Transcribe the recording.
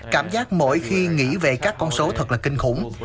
cảm giác mỗi khi nghĩ về các con số thật là kinh khủng